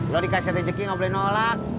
lo dikasih rejeki enggak boleh nolak